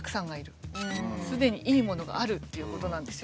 すでにいいものがあるっていうことなんですよ。